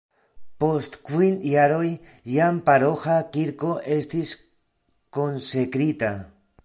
Post kvin jaroj jam paroĥa kirko estis konsekrita.